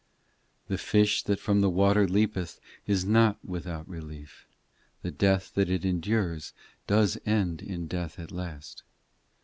iv The fish that from the water leapeth Is not without relief ; The death that it endures; Does end in death at last.